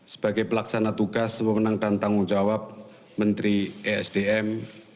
sebagai pelaksana tugas memenangkan tanggung jawab menteri esdm